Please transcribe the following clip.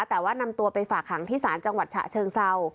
แต่ว่านำตัวไปฝากหางที่ศาลจังหวัดฉะเชิงเศร้า